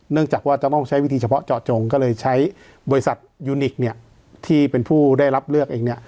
จากว่าจะต้องใช้วิธีเฉพาะเจาะจงก็เลยใช้บริษัทยูนิคที่เป็นผู้ได้รับเลือกเอง